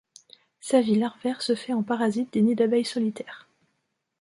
Sa vie larvaire se fait en parasite des nids d'abeilles solitaires.